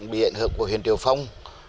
bị ảnh hưởng của huyện triệu phong